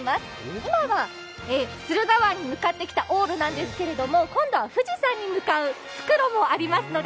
今は駿河湾に向かってきたんですけど、今度は富士山に向かう復路もありますので。